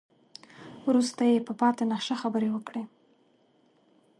وروسته يې په پاتې نخشه خبرې وکړې.